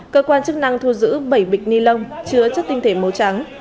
cơ quan chức năng thu giữ bảy bịch ni lông chứa chất tinh thể màu trắng